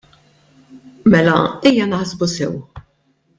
Mela, ejja naħsbu sew.